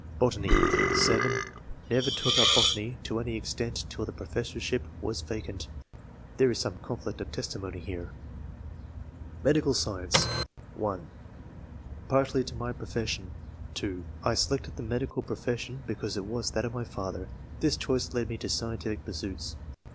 Botany. — (7) Never took up botany to any extent till the professorship was vacant. [There is some conflict of testimony here.] Medical Science. — (1) Partly to my profession. (2) I selected the medical profession because it was that of my father; this choice led me to scientific pursuits.